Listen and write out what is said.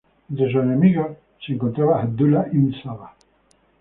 Entre sus enemigos se encontraba Abdullah ibn Saba.